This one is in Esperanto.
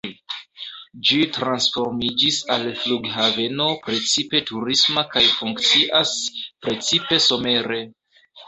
Ĝi transformiĝis al flughaveno precipe turisma kaj funkcias precipe somere.